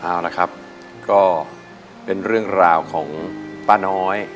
เอาละครับก็เป็นเรื่องราวของป้าน้อย